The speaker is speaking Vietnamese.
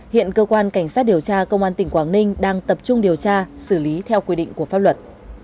hiện cơ quan cảnh sát điều tra công an tỉnh quảng ninh đang tập trung điều tra xử lý theo quy định của pháp luật